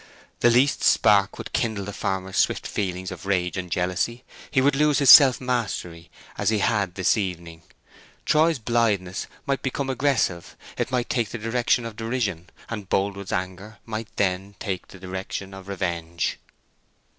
The least spark would kindle the farmer's swift feelings of rage and jealousy; he would lose his self mastery as he had this evening; Troy's blitheness might become aggressive; it might take the direction of derision, and Boldwood's anger might then take the direction of revenge.